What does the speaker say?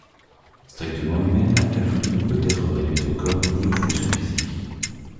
Strictement humaine, la folie ne peut être réduite au corps ni aux fonctions physiques.